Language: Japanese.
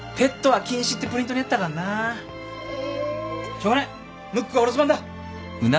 しょうがないムックはお留守番だ。